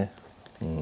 うん。